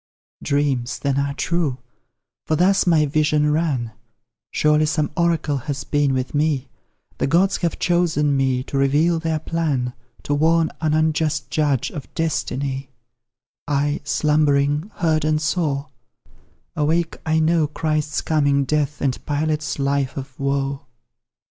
Dreams, then, are true for thus my vision ran; Surely some oracle has been with me, The gods have chosen me to reveal their plan, To warn an unjust judge of destiny: I, slumbering, heard and saw; awake I know, Christ's coming death, and Pilate's life of woe.